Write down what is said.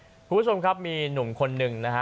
คุณผู้ชมครับมีหนุ่มคนหนึ่งนะฮะ